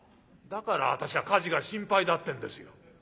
だから私は火事が心配だってんですよ。